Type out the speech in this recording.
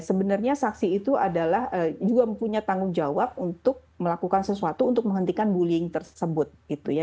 sebenarnya saksi itu adalah juga punya tanggung jawab untuk melakukan sesuatu untuk menghentikan bullying tersebut gitu ya